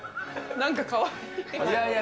なんかかわいい。